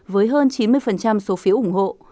với chín mươi số phiếu ủng hộ